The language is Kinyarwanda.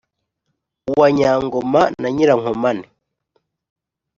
uwa nyangoma na nyirankomane,